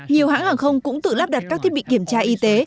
nhiều hãng hàng không cũng tự lắp đặt các thiết bị kiểm tra y tế